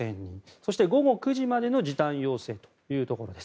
そして午後９時までの時短要請というところです。